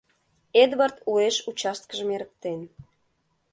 Эдвард уэш участкыжым эрыктен.